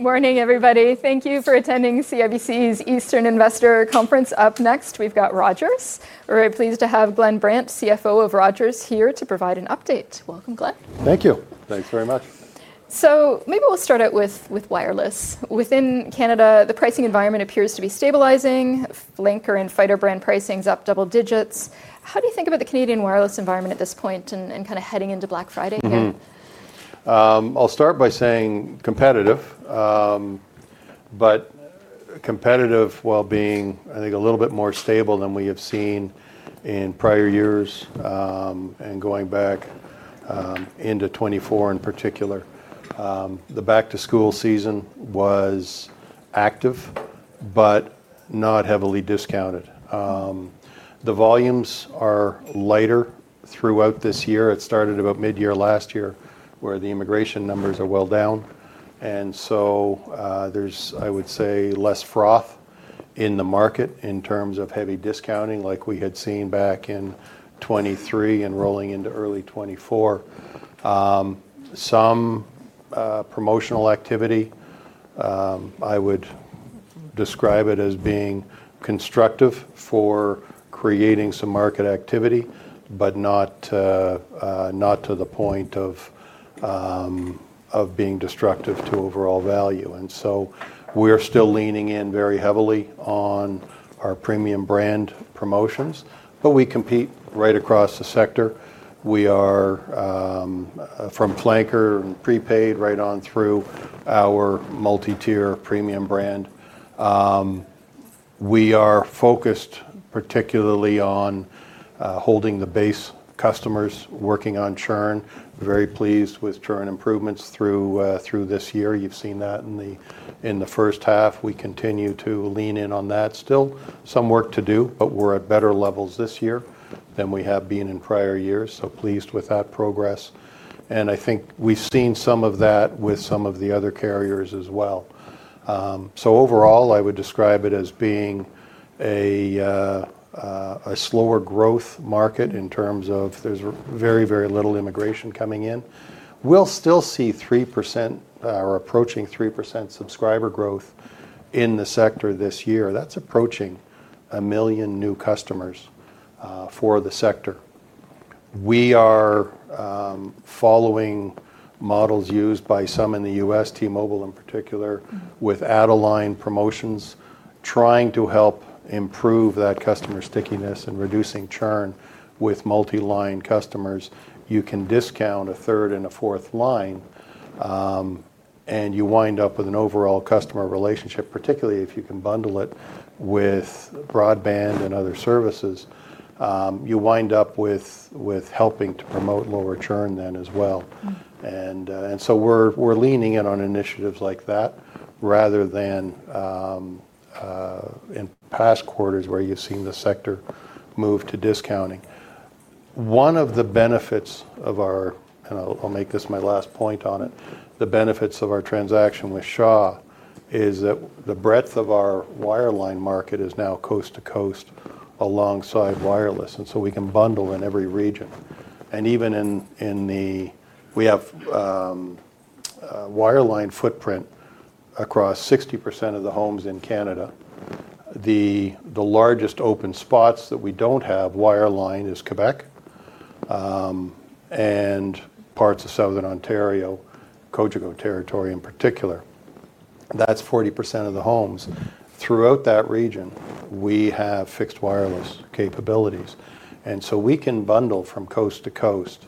Morning, everybody. Thank you for attending CIBC's Eastern Investor Conference. Up next, we've got Rogers. We're very pleased to have Glenn Brandt, CFO of Rogers, here to provide an update. Welcome, Glenn. Thank you. Thanks very much. Maybe we'll start out with wireless. Within Canada, the pricing environment appears to be stabilizing. Flanker and fighter brand pricing is up double digits. How do you think about the Canadian wireless environment at this point and kind of heading into Black Friday? I'll start by saying competitive, but competitive while being, I think, a little bit more stable than we have seen in prior years. Going back into 2024 in particular, the back-to-school season was active but not heavily discounted. The volumes are lighter throughout this year. It started about mid-year last year where the immigration numbers are well down. There's, I would say, less froth in the market in terms of heavy discounting like we had seen back in 2023 and rolling into early 2024. Some promotional activity, I would describe it as being constructive for creating some market activity, but not to the point of being destructive to overall value. We're still leaning in very heavily on our premium brand promotions, but we compete right across the sector. We are from Flanker and prepaid right on through our multi-tier premium brand. We are focused particularly on holding the base customers, working on churn. Very pleased with churn improvements through this year. You've seen that in the first half. We continue to lean in on that. Still some work to do, but we're at better levels this year than we have been in prior years. Pleased with that progress. I think we've seen some of that with some of the other carriers as well. Overall, I would describe it as being a slower growth market in terms of there's very, very little immigration coming in. We'll still see 3% or approaching 3% subscriber growth in the sector this year. That's approaching a million new customers for the sector. We are following models used by some in the U.S., T-Mobile in particular, with add-a-line promotions, trying to help improve that customer stickiness and reducing churn with multi-line customers. You can discount a third and a fourth line, and you wind up with an overall customer relationship, particularly if you can bundle it with broadband and other services. You wind up with helping to promote lower churn then as well. We're leaning in on initiatives like that rather than in past quarters where you've seen the sector move to discounting. One of the benefits of our, and I'll make this my last point on it, the benefits of our transaction with Shaw is that the breadth of our wireline market is now coast to coast alongside wireless. We can bundle in every region. Even in the, we have wireline footprint across 60% of the homes in Canada. The largest open spots that we don't have wireline is Quebec and parts of Southern Ontario, Cote d'Ivoire territory in particular. That's 40% of the homes. Throughout that region, we have fixed wireless capabilities, and we can bundle from coast to coast.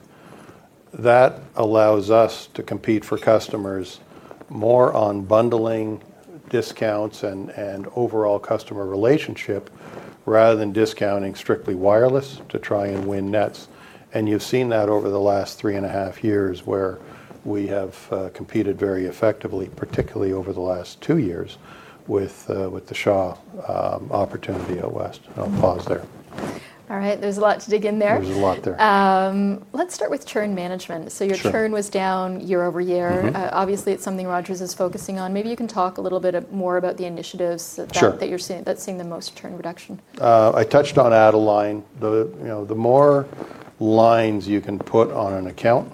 That allows us to compete for customers more on bundling discounts and overall customer relationship rather than discounting strictly wireless to try and win nets. You've seen that over the last three and a half years where we have competed very effectively, particularly over the last two years with the Shaw opportunity at West. I'll pause there. All right, there's a lot to dig in there. There's a lot there. Let's start with churn management. Your churn was down year over year. Obviously, it's something Rogers is focusing on. Maybe you can talk a little bit more about the initiatives that you're seeing that see the most churn reduction. I touched on add-a-line. The more lines you can put on an account,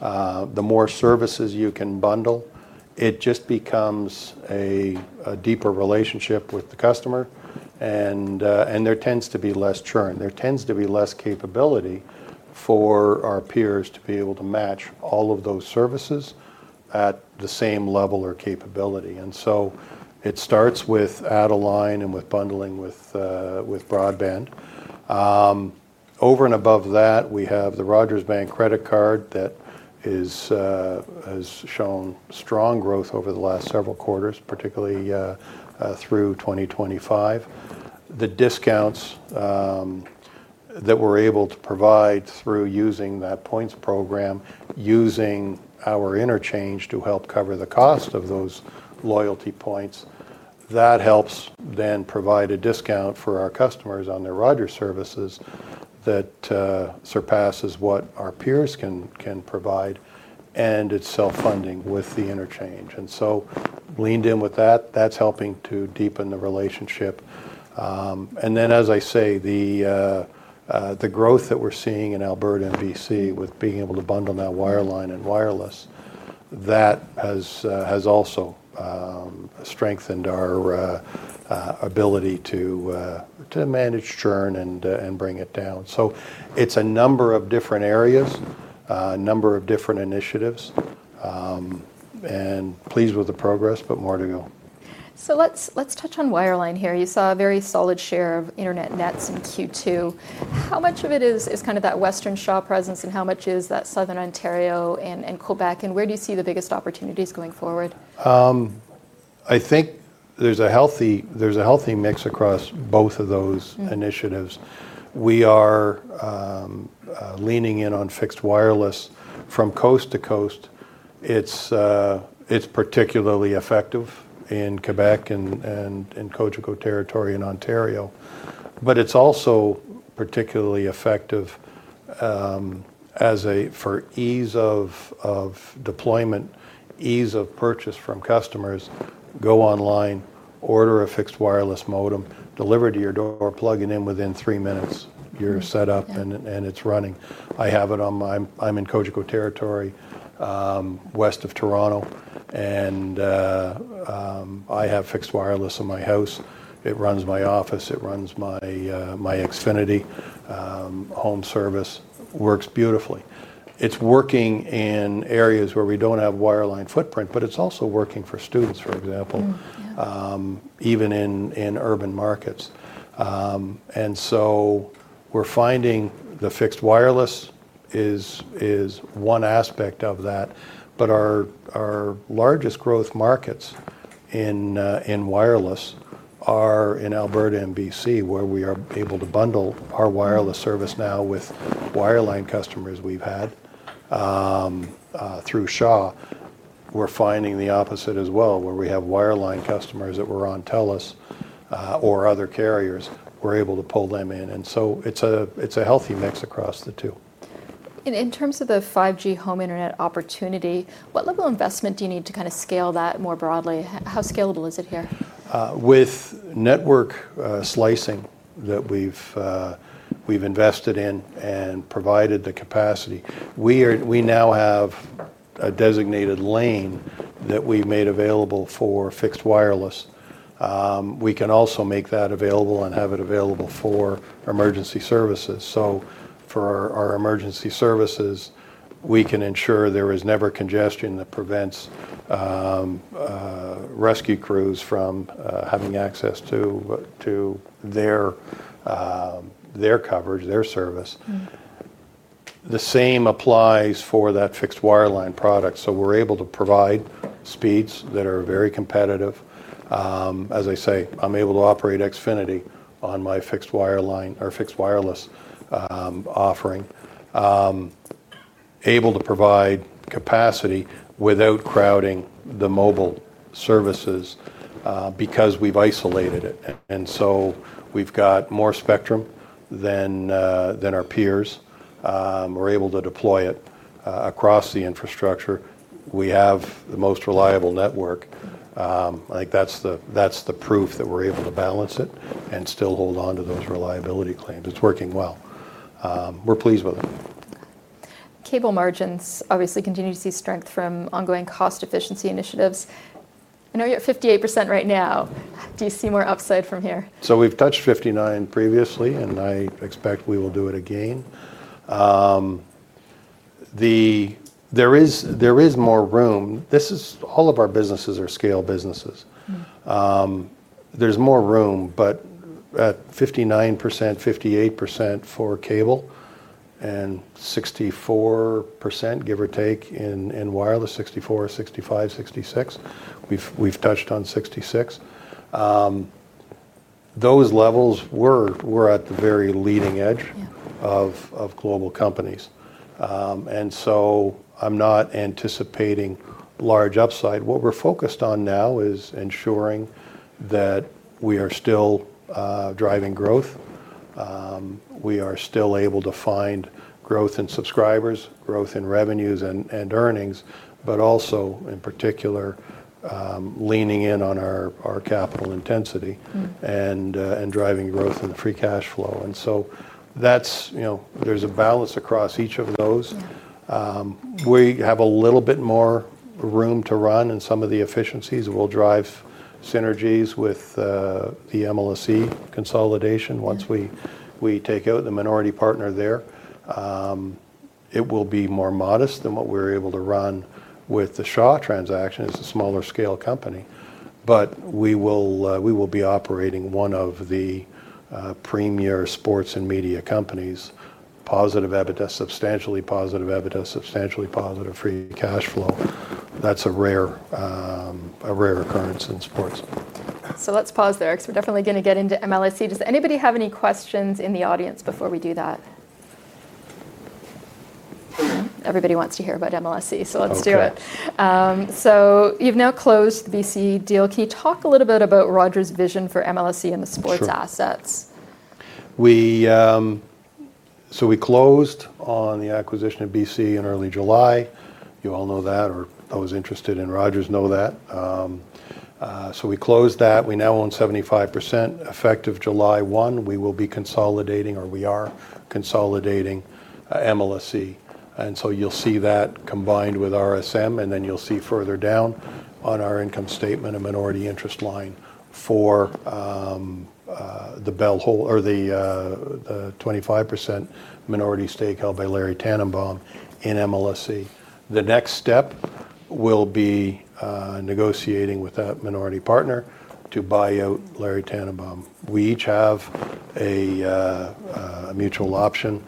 the more services you can bundle, it just becomes a deeper relationship with the customer. There tends to be less churn. There tends to be less capability for our peers to be able to match all of those services at the same level or capability. It starts with add-a-line and with bundling with broadband. Over and above that, we have the Rogers Bank credit card that has shown strong growth over the last several quarters, particularly through 2025. The discounts that we're able to provide through using that points program, using our interchange to help cover the cost of those loyalty points, that helps then provide a discount for our customers on their Rogers services that surpasses what our peers can provide. It's self-funding with the interchange. Leaned in with that. That's helping to deepen the relationship. As I say, the growth that we're seeing in Alberta and British Columbia with being able to bundle that wireline and wireless, that has also strengthened our ability to manage churn and bring it down. It's a number of different areas, a number of different initiatives, and pleased with the progress, but more to go. Let's touch on wireline here. You saw a very solid share of internet nets in Q2. How much of it is kind of that Western Shaw presence and how much is that Southern Ontario and Quebec? Where do you see the biggest opportunities going forward? I think there's a healthy mix across both of those initiatives. We are leaning in on fixed wireless from coast to coast. It's particularly effective in Quebec and in Cogeco territory in Ontario. It's also particularly effective for ease of deployment, ease of purchase from customers. Go online, order a fixed wireless modem, delivered to your door, plug it in within three minutes, you're set up and it's running. I have it on my, I'm in Cogeco territory, west of Toronto, and I have fixed wireless in my house. It runs my office, it runs my Xfinity home service, works beautifully. It's working in areas where we don't have wireline footprint, it's also working for students, for example, even in urban markets. We're finding the fixed wireless is one aspect of that. Our largest growth markets in wireless are in Alberta and British Columbia, where we are able to bundle our wireless service now with wireline customers we've had through Shaw. We're finding the opposite as well, where we have wireline customers that were on TELUS or other carriers. We're able to pull them in. It's a healthy mix across the two. In terms of the 5G home internet opportunity, what level of investment do you need to kind of scale that more broadly? How scalable is it here? With network slicing that we've invested in and provided the capacity, we now have a designated lane that we've made available for fixed wireless. We can also make that available and have it available for emergency services. For our emergency services, we can ensure there is never congestion that prevents rescue crews from having access to their coverage, their service. The same applies for that fixed wireless product. We're able to provide speeds that are very competitive. As I say, I'm able to operate Xfinity products on my fixed wireline or fixed wireless offering, able to provide capacity without crowding the mobile services because we've isolated it. We've got more spectrum than our peers. We're able to deploy it across the infrastructure. We have the most reliable network. I think that's the proof that we're able to balance it and still hold on to those reliability claims. It's working well. We're pleased with it. Cable margins obviously continue to see strength from ongoing cost efficiency initiatives. I know you're at 58% right now. Do you see more upside from here? We've touched 59% previously, and I expect we will do it again. There is more room. All of our businesses are scale businesses. There's more room, but at 59%, 58% for cable, and 64%, give or take, in wireless, 64%, 65%, 66%. We've touched on 66%. At those levels, we're at the very leading edge of global companies. I'm not anticipating large upside. What we're focused on now is ensuring that we are still driving growth. We are still able to find growth in subscribers, growth in revenues and earnings, but also in particular leaning in on our capital intensity and driving growth in free cash flow. There's a balance across each of those. We have a little bit more room to run and some of the efficiencies will drive synergies with the MLSE consolidation. Once we take out the minority partner there, it will be more modest than what we're able to run with the Shaw transaction as a smaller scale company. We will be operating one of the premier sports and media companies, positive EBITDA, substantially positive EBITDA, substantially positive free cash flow. That's a rare occurrence in sports. Let's pause there because we're definitely going to get into MLSE. Does anybody have any questions in the audience before we do that? Everybody wants to hear about MLSE, so let's do it. You've now closed the B.C. deal. Can you talk a little bit about Rogers' vision for MLSE and the sports assets? We closed on the acquisition of B.C. in early July. You all know that, or those interested in Rogers know that. We closed that. We now own 75% effective July 1. We will be consolidating, or we are consolidating MLSE. You'll see that combined with Rogers Sports & Media, and then you'll see further down on our income statement a minority interest line for the 25% minority stake held by Larry Tanenbaum in MLSE. The next step will be negotiating with that minority partner to buy out Larry Tanenbaum. We each have a mutual option.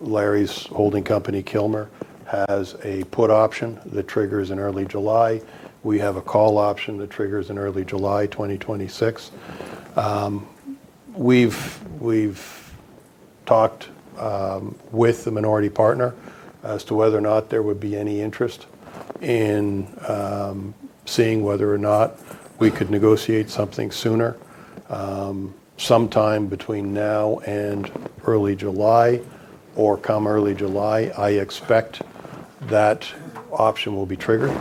Larry's holding company, Kilmer, has a put option that triggers in early July. We have a call option that triggers in early July 2026. We've talked with the minority partner as to whether or not there would be any interest in seeing whether or not we could negotiate something sooner, sometime between now and early July or come early July. I expect that option will be triggered.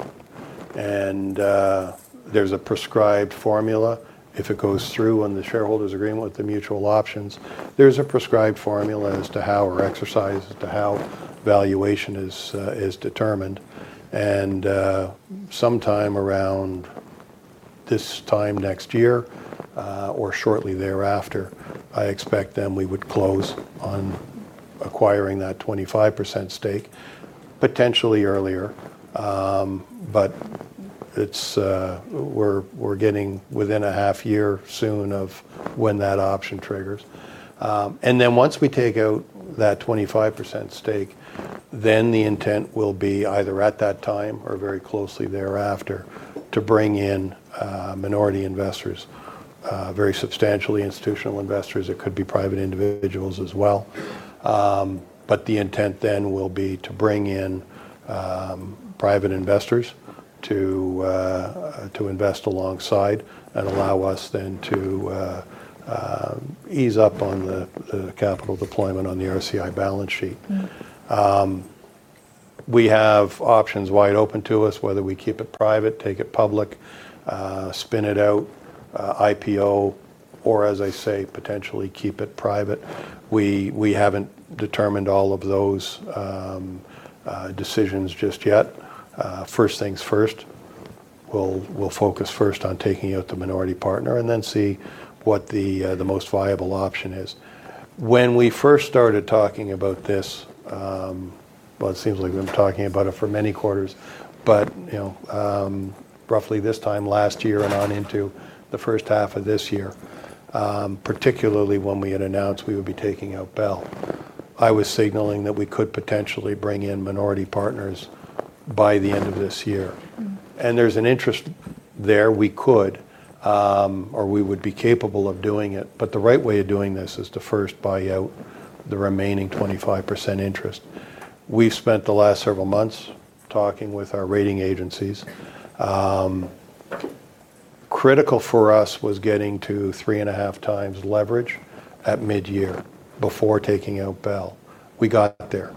There's a prescribed formula if it goes through on the shareholders' agreement with the mutual options. There's a prescribed formula as to how or exercise as to how valuation is determined. Sometime around this time next year or shortly thereafter, I expect then we would close on acquiring that 25% stake, potentially earlier. We're getting within a half year soon of when that option triggers. Once we take out that 25% stake, the intent will be either at that time or very closely thereafter to bring in minority investors, very substantially institutional investors. It could be private individuals as well. The intent then will be to bring in private investors to invest alongside and allow us then to ease up on the capital deployment on the OCI balance sheet. We have options wide open to us, whether we keep it private, take it public, spin it out, IPO, or as I say, potentially keep it private. We haven't determined all of those decisions just yet. First things first, we'll focus first on taking out the minority partner and then see what the most viable option is. When we first started talking about this, it seems like we've been talking about it for many quarters, but you know roughly this time last year and on into the first half of this year, particularly when we had announced we would be taking out Bell, I was signaling that we could potentially bring in minority partners by the end of this year. There's an interest there. We could, or we would be capable of doing it. The right way of doing this is to first buy out the remaining 25% interest. We've spent the last several months talking with our rating agencies. Critical for us was getting to 3.5x leverage at mid-year before taking out Bell. We got there.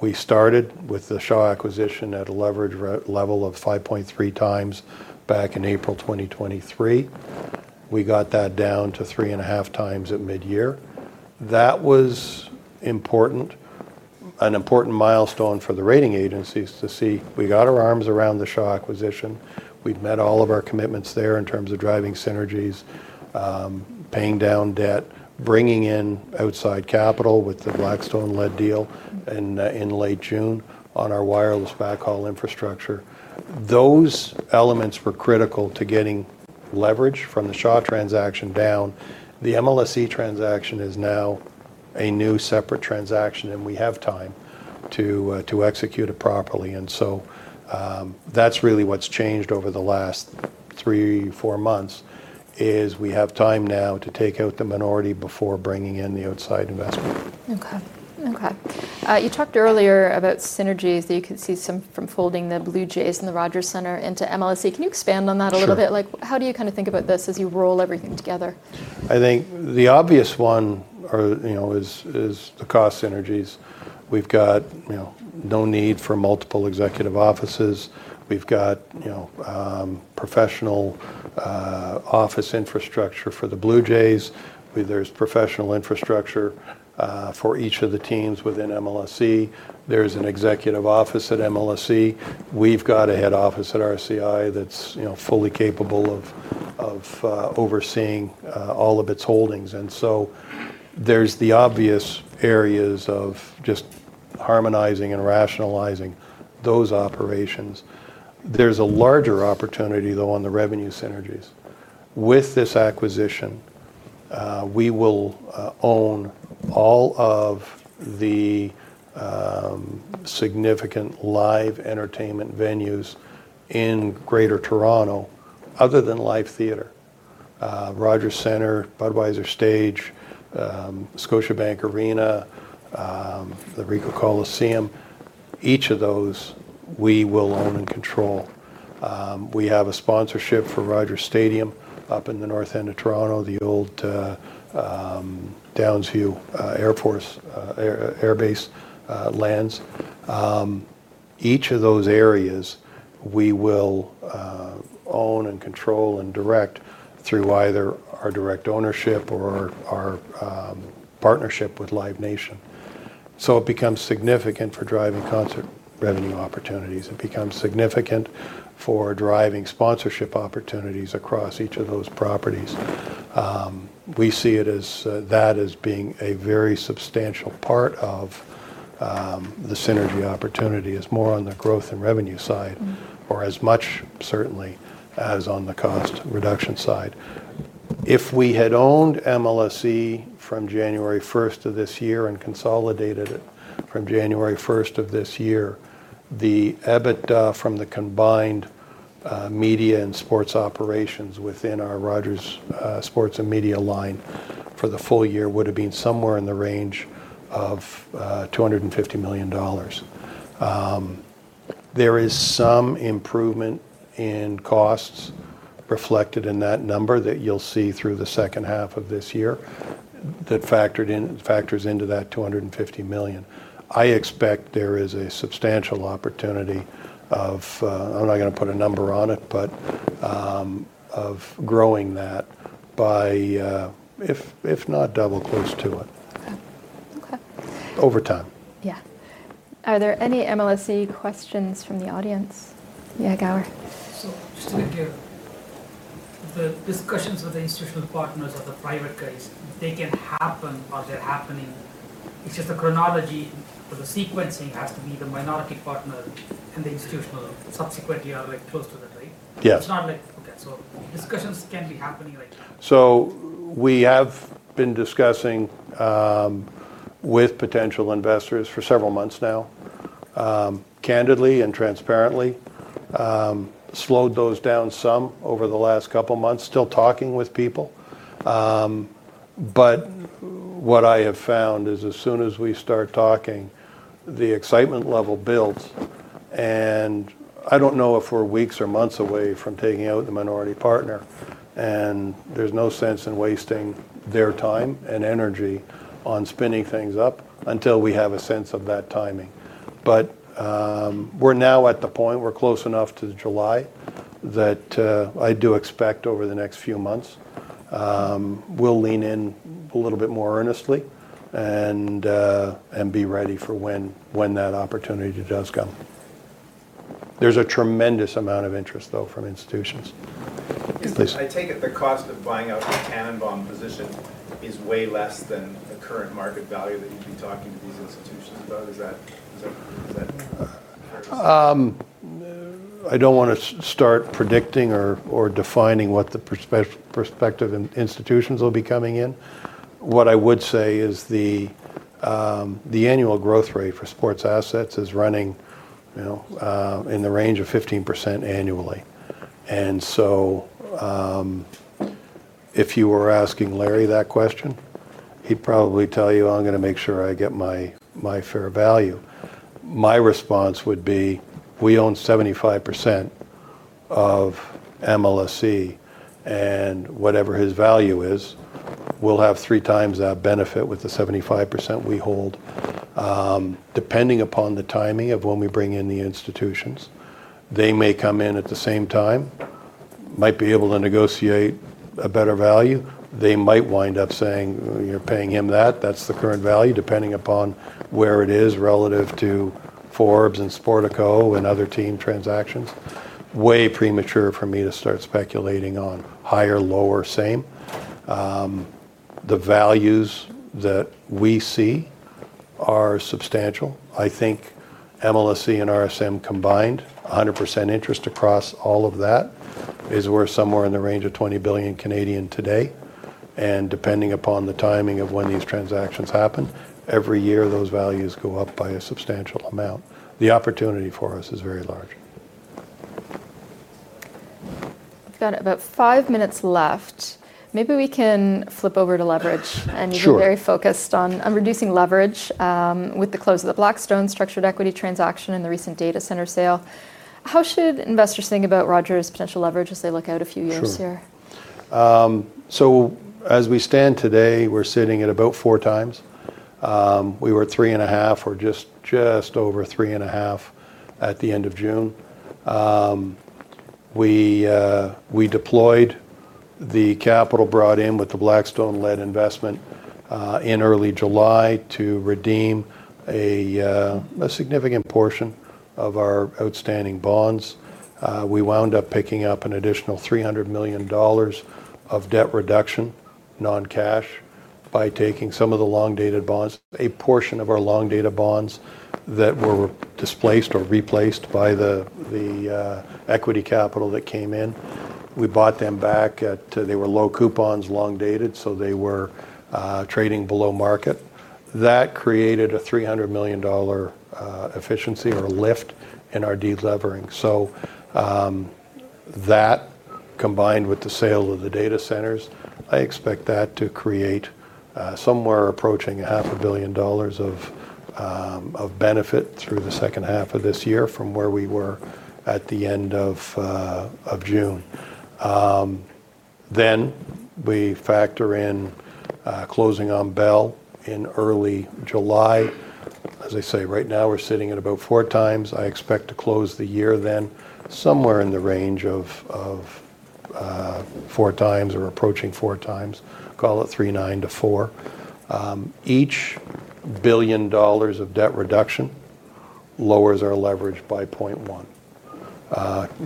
We started with the Shaw acquisition at a leverage level of 5.3 times back in April 2023. We got that down to 3.5x at mid-year. That was important, an important milestone for the rating agencies to see we got our arms around the Shaw acquisition. We've met all of our commitments there in terms of driving synergies, paying down debt, bringing in outside capital with the Blackstone-led deal in late June on our wireless backhaul infrastructure. Those elements were critical to getting leverage from the Shaw transaction down. The MLSE transaction is now a new separate transaction, and we have time to execute it properly. That's really what's changed over the last three, four months. We have time now to take out the minority before bringing in the outside investment. Okay. You talked earlier about synergies that you could see from folding the Blue Jays and the Rogers Centre into MLSE. Can you expand on that a little bit? How do you kind of think about this as you roll everything together? I think the obvious one is the cost synergies. We've got no need for multiple executive offices. We've got professional office infrastructure for the Blue Jays. There's professional infrastructure for each of the teams within MLSE. There's an executive office at MLSE. We've got a head office at RCI that's fully capable of overseeing all of its holdings. There are the obvious areas of just harmonizing and rationalizing those operations. There's a larger opportunity, though, on the revenue synergies. With this acquisition, we will own all of the significant live entertainment venues in Greater Toronto other than live theater. Rogers Centre, Budweiser Stage, Scotiabank Arena, the Ricoh Coliseum, each of those we will own and control. We have a sponsorship for Rogers Stadium up in the north end of Toronto, the old Downsview Air Force Air Base lands. Each of those areas we will own and control and direct through either our direct ownership or our partnership with Live Nation. It becomes significant for driving concert revenue opportunities. It becomes significant for driving sponsorship opportunities across each of those properties. We see that as being a very substantial part of the synergy opportunity, more on the growth and revenue side or as much certainly as on the cost reduction side. If we had owned MLSE from January 1st, of this year, and consolidated it from January 1st of this year, the EBITDA from the combined media and sports operations within our Rogers Sports & Media line for the full year would have been somewhere in the range of $250 million. There is some improvement in costs reflected in that number that you'll see through the second half of this year that factors into that $250 million. I expect there is a substantial opportunity of, I'm not going to put a number on it, but of growing that by, if not double, close to it. Okay. Over time. Yeah. Are there any MLSE questions from the audience? Yeah, Gower. The question is with the institutional partners of the private case. They can happen while they're happening. It's just the chronology, but the sequencing has to be the minority partner and the institutional subsequently are very close to that, right? Yes. Discussions can be happening. We have been discussing with potential investors for several months now, candidly and transparently. Slowed those down some over the last couple of months, still talking with people. What I have found is as soon as we start talking, the excitement level builds. I don't know if we're weeks or months away from taking out the minority partner. There's no sense in wasting their time and energy on spinning things up until we have a sense of that timing. We're now at the point, we're close enough to July that I do expect over the next few months, we'll lean in a little bit more earnestly and be ready for when that opportunity does come. There's a tremendous amount of interest, though, from institutions. I take it the cost of buying out a Tanenbaum position is way less than the current market value that you've been talking to these institutions about. Is that? I don't want to start predicting or defining what the perspective and institutions will be coming in. What I would say is the annual growth rate for sports assets is running in the range of 15% annually. If you were asking Larry that question, he'd probably tell you, "I'm going to make sure I get my fair value." My response would be, "We own 75% of MLSE, and whatever his value is, we'll have three times that benefit with the 75% we hold." Depending upon the timing of when we bring in the institutions, they may come in at the same time, might be able to negotiate a better value. They might wind up saying, "You're paying him that. That's the current value," depending upon where it is relative to Forbes and Sportico and other team transactions. It is way premature for me to start speculating on higher, lower, same. The values that we see are substantial. I think MLSE and Rogers Sports & Media combined, 100% interest across all of that is worth somewhere in the range of 20 billion today. Depending upon the timing of when these transactions happen, every year those values go up by a substantial amount. The opportunity for us is very large. I've got about five minutes left. Maybe we can flip over to leverage. Sure. You've been very focused on reducing leverage with the close of the Blackstone structured equity transaction and the recent data center sale. How should investors think about Rogers' potential leverage as they look out a few years here? As we stand today, we're sitting at about four times. We were at three and a half or just over three and a half at the end of June. We deployed the capital brought in with the Blackstone-led investment in early July to redeem a significant portion of our outstanding bonds. We wound up picking up an additional $300 million of debt reduction, non-cash, by taking some of the long-dated bonds, a portion of our long-dated bonds that were displaced or replaced by the equity capital that came in. We bought them back at, they were low coupons, long-dated, so they were trading below market. That created a $300 million efficiency or a lift in our deleveraging. That, combined with the sale of the data centers, I expect that to create somewhere approaching half a billion dollars of benefit through the second half of this year from where we were at the end of June. We factor in closing on Bell in early July. Right now we're sitting at about 4x. I expect to close the year then somewhere in the range of 4x or approaching 4x, call it 3.9 to 4. Each billion dollars of debt reduction lowers our leverage by 0.1.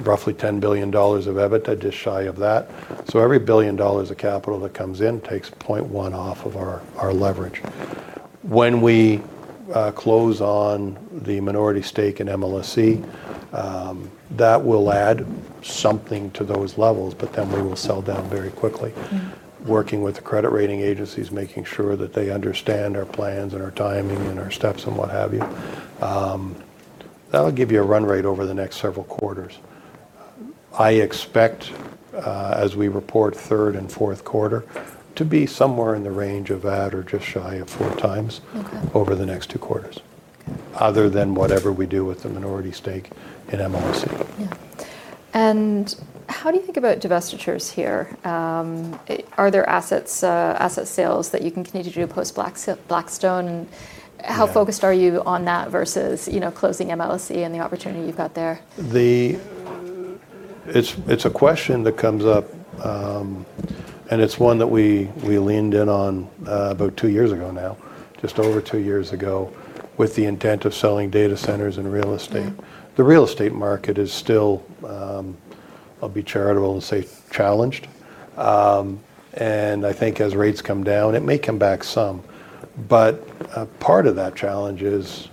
Roughly $10 billion of EBITDA, just shy of that. Every billion dollars of capital that comes in takes 0.1 off of our leverage. When we close on the minority stake in MLSE, that will add something to those levels, but then we will sell down very quickly. Working with the credit rating agencies, making sure that they understand our plans and our timing and our steps and what have you. That'll give you a run rate over the next several quarters. I expect, as we report third and fourth quarter, to be somewhere in the range of that or just shy of four times over the next two quarters, other than whatever we do with the minority stake in MLSE. Yeah. How do you think about divestitures here? Are there asset sales that you can continue to do post-Blackstone? How focused are you on that versus closing MLSE and the opportunity you've got there? It's a question that comes up, and it's one that we leaned in on about two years ago now, just over two years ago, with the intent of selling data centers and real estate. The real estate market is still, I'll be charitable and say, challenged. I think as rates come down, it may come back some. Part of that challenge is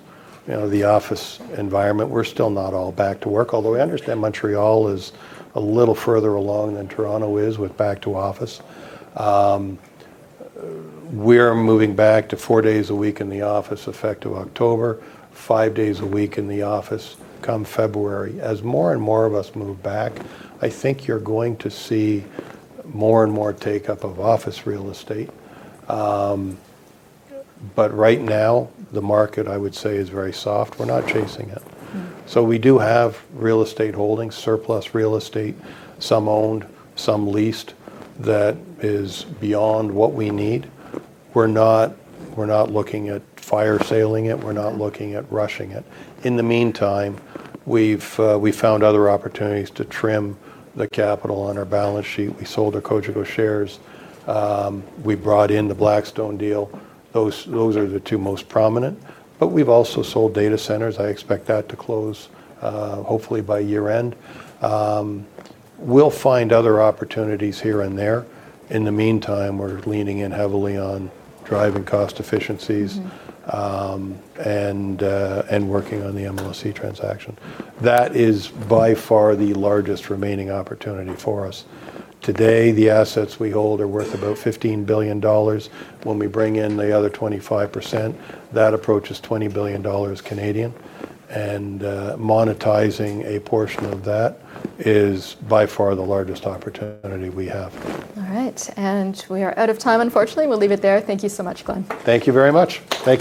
the office environment. We're still not all back to work, although I understand Montreal is a little further along than Toronto is with back to office. We're moving back to four days a week in the office effective October, five days a week in the office come February. As more and more of us move back, I think you're going to see more and more take-up of office real estate. Right now, the market, I would say, is very soft. We're not chasing it. We do have real estate holdings, surplus real estate, some owned, some leased that is beyond what we need. We're not looking at fire-saling it. We're not looking at rushing it. In the meantime, we've found other opportunities to trim the capital on our balance sheet. We sold a Cote d'Ivoire shares. We brought in the Blackstone deal. Those are the two most prominent. We've also sold data centers. I expect that to close hopefully by year-end. We'll find other opportunities here and there. In the meantime, we're leaning in heavily on driving cost efficiencies and working on the MLSE transaction. That is by far the largest remaining opportunity for us. Today, the assets we hold are worth about $15 billion. When we bring in the other 25%, that approaches 20 billion Canadian dollars. Monetizing a portion of that is by far the largest opportunity we have. All right. We are out of time, unfortunately. We'll leave it there. Thank you so much, Glenn. Thank you very much. Thank you.